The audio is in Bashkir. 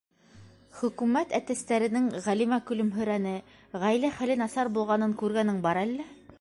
Хөкүмәт әтәстәренең, - Ғәлимә көлөмһөрәне, - ғаилә хәле насар булғанын күргәнең бар әллә?